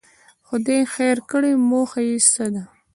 خدای خیر کړي، موخه یې څه ده.